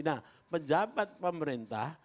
nah pejabat pemerintah